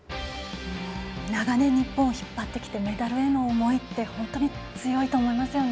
長年日本を引っ張ってきてメダルへの思いって本当に強いと思いますよね。